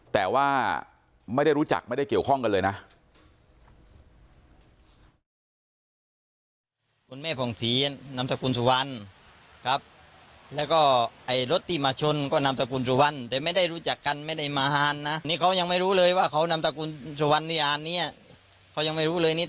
แต่ว่าไม่ได้รู้จักไม่ได้เกี่ยวข้องกันเลยนะ